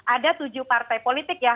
ada tujuh partai politik ya